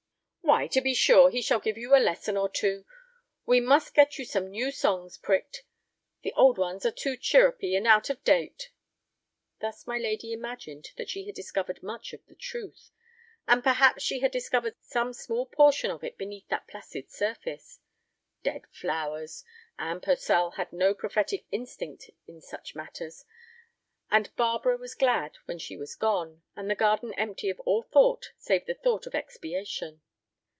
"Why, to be sure, he shall give you a lesson or two. We must get you some new songs pricked. The old ones are too chirrupy and out of date." Thus my lady imagined that she had discovered much of the truth, and perhaps she had discovered some small portion of it beneath that placid surface. Dead flowers! Anne Purcell had no prophetic instinct in such matters. And Barbara was glad when she was gone, and the garden empty of all thought save the thought of expiation.